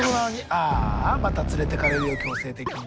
ああまた連れてかれるよ強制的に。